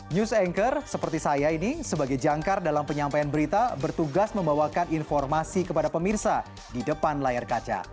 news anchor seperti saya ini sebagai jangkar dalam penyampaian berita bertugas membawakan informasi kepada pemirsa di depan layar kaca